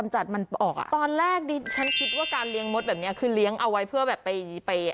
จริงครับมันแปลกเนาะ